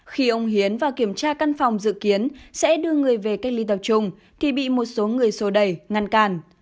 khi ông hiến và kiểm tra căn phòng dự kiến sẽ đưa người về cách ly tập trung thì bị một số người sô đẩy ngăn cản